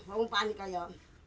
orang panik aja